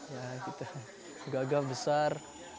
ya gitu gagah besar